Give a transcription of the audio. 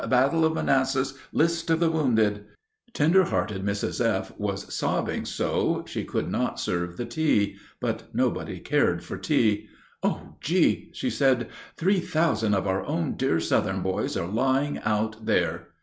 Battle of Manassas! List of the wounded!" Tender hearted Mrs. F. was sobbing so she could not serve the tea; but nobody cared for tea. "O G.!" she said, "three thousand of our own, dear Southern boys are lying out there."